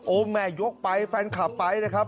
แม่ยกไปแฟนคลับไปนะครับ